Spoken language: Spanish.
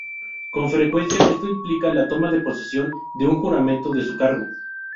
Con frecuencia, esto implica la toma de posesión de un juramento de su cargo.